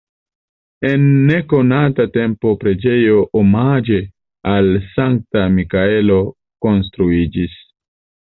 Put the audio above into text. En nekonata tempo preĝejo omaĝe al Sankta Mikaelo konstruiĝis.